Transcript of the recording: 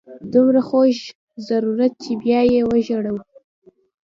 دومره خوږ ضرورت چې بیا یې وژاړو.